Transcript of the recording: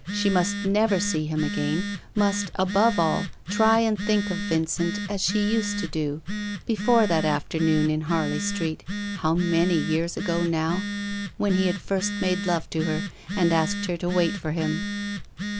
She must never see him again, must above all try and think of Vincent as she used to, before that afternoon in Harley Street — how many 807 808 TEE 8T0RT OF A MODERN WOMAN. years ago, now? — when he had first made love to her and asked her to wait for him.